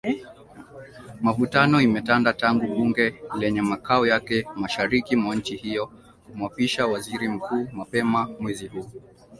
Mivutano imetanda tangu bunge lenye makao yake mashariki mwa nchi hiyo kumwapisha Waziri Mkuu mapema mwezi huu.